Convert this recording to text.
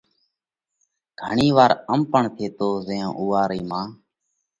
گھڻِي وار ام پڻ ٿيو زئيون اُوئا رِي مان،